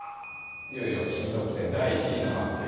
いよいよシン・トップテン第１位の発表です。